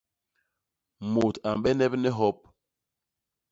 Mut a mbenep ni hop.